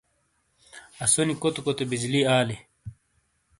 اسونی کوتے کوتے بجلی آلی۔